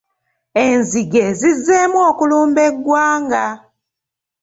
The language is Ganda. Enzige zizzeemu okulumba eggwanga.